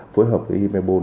phối hợp với imebol